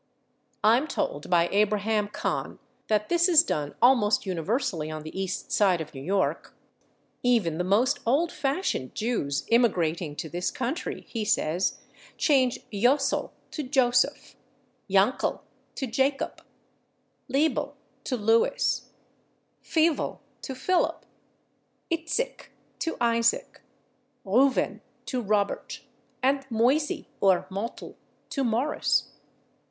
I am told by Abraham Cahan that this is done almost universally on the East Side of New York. "Even the most old fashioned Jews immigrating to this country," he says, "change /Yosel/ to /Joseph/, /Yankel/ to /Jacob/, /Liebel/ to /Louis/, /Feivel/ to /Philip/, /Itzik/ to /Isaac/, /Ruven/ to /Robert/, and /Moise/ or /Motel/ to /Morris